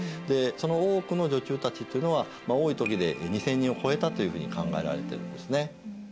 でその大奥の女中たちというのは多い時で２０００人を超えたというふうに考えられてるんですね。